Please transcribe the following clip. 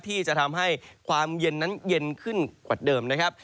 ที่จะทำให้ความเย็นนั้นเย็นขึ้นกว่าเดิมนะครับ